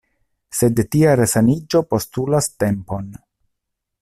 Sed tia resaniĝo postulas tempon.